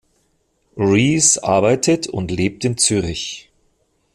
Reece arbeitet und lebt in Zürich.